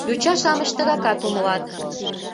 — Йоча-шамыч тыгакат умылат.